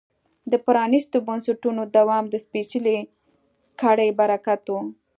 د پرانیستو بنسټونو دوام د سپېڅلې کړۍ برکت و.